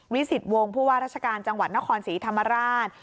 สิตวงศ์ผู้ว่าราชการจังหวัดนครศรีธรรมราช